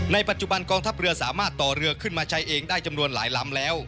ปัจจุบันกองทัพเรือสามารถต่อเรือขึ้นมาใช้เองได้จำนวนหลายลำแล้ว